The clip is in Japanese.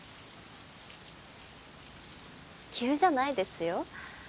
急じゃないですよ。